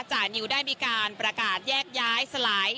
จานิวได้มีการประกาศแยกย้ายสลาย